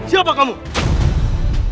sepertinya pejajaran telah diserang